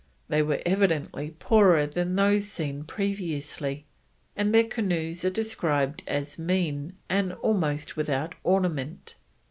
They were evidently poorer than those seen previously, and their canoes are described as "mean and almost without ornament."